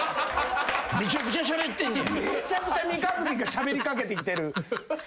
めちゃくちゃ三日月がしゃべり掛けてきてる。